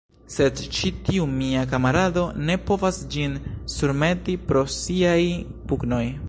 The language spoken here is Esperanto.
Sed ĉi tiu mia kamarado ne povas ĝin surmeti pro siaj pugnoj.